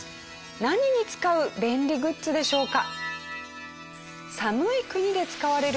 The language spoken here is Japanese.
何に使う便利グッズでしょうか？